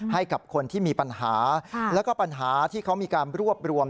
ให้กับคนที่มีปัญหาแล้วก็ปัญหาที่เขามีการรวบรวม